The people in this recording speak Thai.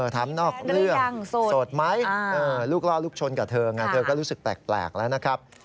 ถามนอกเรื่องโสดไหมลูกล่อลูกชนกับเธอเธอก็รู้สึกแปลกแล้วนะครับ